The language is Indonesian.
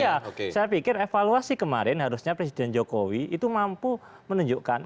ya saya pikir evaluasi kemarin harusnya presiden jokowi itu mampu menunjukkan